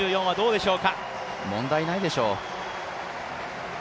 問題ないでしょう。